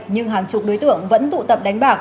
nhưng hàng chục đối tượng vẫn tụ tập đánh bạc